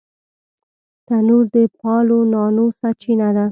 تنور د پالو نانو سرچینه ده